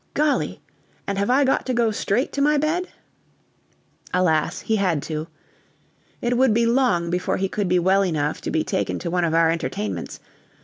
"Golly! and have I got to go straight to my bed?" Alas, he had to. It would be long before he could be well enough to be taken to one of our entertainments.